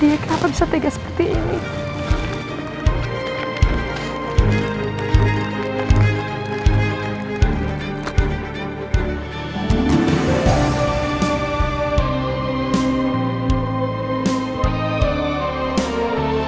err aku tanya veil enggak ada terjala jala